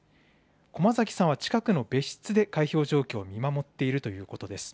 駒崎さんは近くの別室で開票状況を見守っているということです。